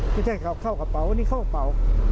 ไม่ใช่เข้ากระเป๋าอันนี้เข้ากระเป๋า